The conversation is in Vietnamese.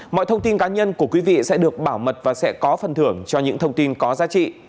mọi thông tin cá nhân của quý vị sẽ được bảo mật và sẽ có phần thưởng cho những thông tin có giá trị